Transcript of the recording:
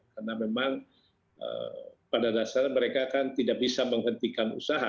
karena memang pada dasarnya mereka kan tidak bisa menghentikan usaha